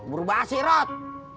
buru basi rot